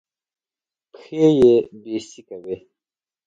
پښې يې بېسېکه وې.